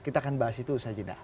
kita akan bahas itu di sajidah